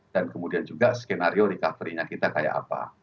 dan kemudian juga skenario recovery nya kita kayak apa